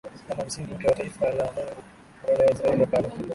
kama msingi mpya wa taifa la Mungu badala ya Israeli ya kale